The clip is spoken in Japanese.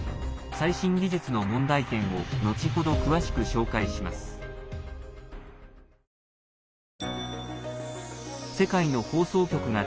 最新技術の問題点を後ほど詳しく紹介します。